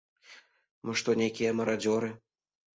Мы што нейкія марадзёры?